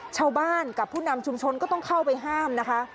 ชาวบ้านกับผู้นำชุมชนก็ต้องเข้าไปห้ามนะคะ